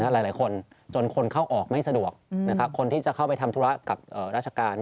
หลายคนจนคนเข้าออกไม่สะดวกคนที่จะเข้าไปทำธุระกับราชการ